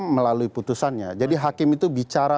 melalui putusannya jadi hakim itu bicara